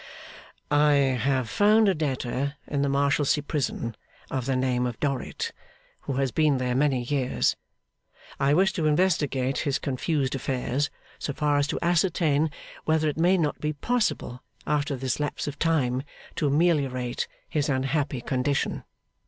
'I have found a debtor in the Marshalsea Prison of the name of Dorrit, who has been there many years. I wish to investigate his confused affairs so far as to ascertain whether it may not be possible, after this lapse of time, to ameliorate his unhappy condition.